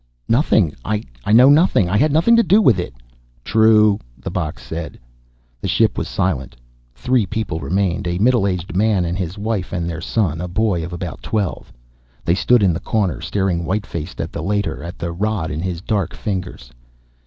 "Nothing I know nothing. I had nothing to do with it." "True," the box said. The ship was silent. Three people remained, a middle aged man and his wife and their son, a boy of about twelve. They stood in the corner, staring white faced at the Leiter, at the rod in his dark fingers.